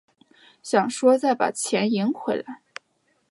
想说再把钱赢回来